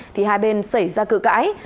thì hai bên xảy ra cử cãi